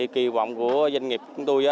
kỳ vọng của doanh nghiệp của tôi